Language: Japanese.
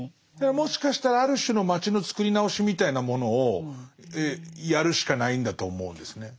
もしかしたらある種の街のつくり直しみたいなものをやるしかないんだと思うんですね。